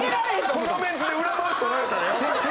このメンツに裏回し取られたらヤバい。